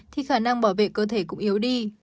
thì khả năng bảo vệ cơ thể cũng yếu đi